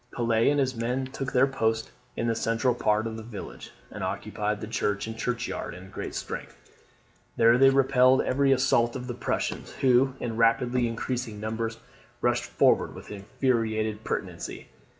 Pelet and his men took their post in the central part of the village, and occupied the church and churchyard in great strength. There they repelled every assault of the Prussians, who in rapidly increasing numbers rushed forward with infuriated pertinacity.